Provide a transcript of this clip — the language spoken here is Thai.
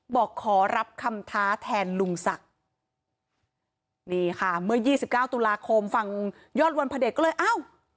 บอกขอรับคำท้าแทนลุงศักดิ์นี่ค่ะเมื่อยี่สิบเก้าตุลาคมฟังยอดวันพระเด็จก็เลยอ้าว